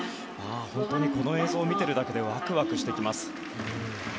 本当にこの映像を見ているだけでワクワクしてきます。